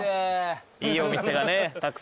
いいお店がねたくさんあります。